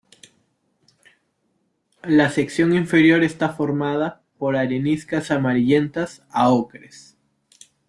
La sección inferior está formada por areniscas amarillentas a ocres.